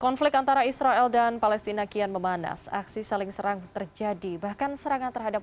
konflik antara israel dan palestina kian memanas aksi saling serang terjadi bahkan serangan terhadap